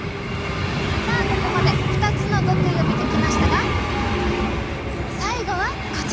さあここまで２つの極意を見てきましたが最後はこちら！